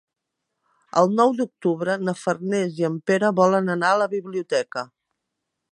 El nou d'octubre na Farners i en Pere volen anar a la biblioteca.